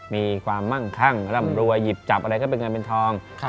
มีความมั่งคั่งร่ำรวยหยิบจับอะไรก็เป็นเงินเป็นทอง